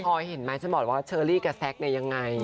พอเห็นไหมฉันบอกว่าเชอรี่กับแซคเนี่ยยังไง